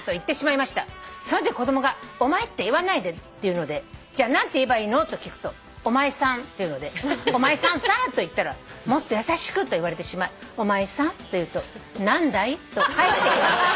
「そのとき子供が『お前って言わないで』と言うのでじゃあ何て言えばいいのと聞くと『お前さん』と言うのでお前さんさぁと言ったら『もっと優しく』と言われてしまいお前さんと言うと『何だい？』と返してきました」